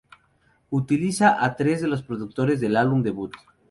Utiliza a tres de los productores del álbum debut.